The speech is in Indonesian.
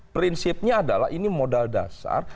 prinsipnya adalah ini modal dasar